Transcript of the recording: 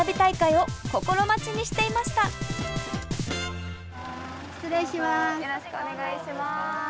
よろしくお願いします。